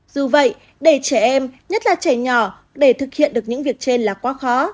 dù vậy để trẻ em nhất là trẻ nhỏ để thực hiện được những việc trên là quá khó